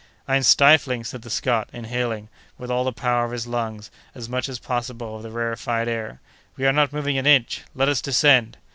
"I am stifling!" said the Scot, inhaling, with all the power of his lungs, as much as possible of the rarefied air. "We are not moving an inch! Let us descend!"